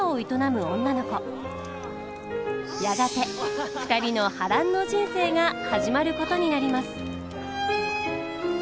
やがて２人の波乱の人生が始まることになります。